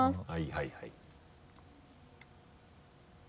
はいはい。